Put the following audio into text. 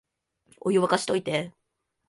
お湯、沸かしといて